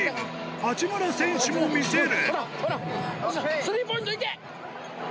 八村選手も見せる。